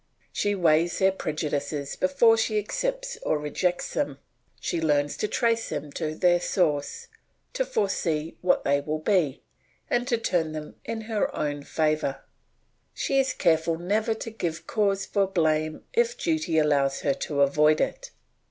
She weighs their prejudices before she accepts or rejects them; she learns to trace them to their source, to foresee what they will be, and to turn them in her own favour; she is careful never to give cause for blame if duty allows her to avoid it.